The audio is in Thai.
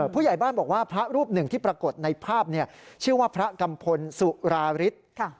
ผู้ใหญ่บ้านบอกว่าพระรูปหนึ่งที่ปรากฏในภาพชื่อว่าพระกัมพลสุราฤทธิ์